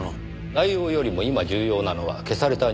内容よりも今重要なのは消された日時です。